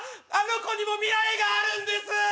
あの子にも未来があるんです